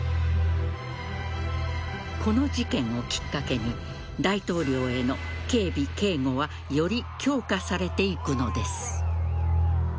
この事件をきっかけに大統領への警備・警護はより強化されていくのです。